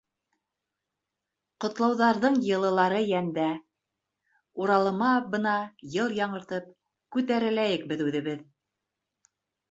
Ҡотлауҙарҙың йылылары йәндә Уралыма, бына, йыл яңыртып, Күтәреләйек беҙ үҙебеҙ!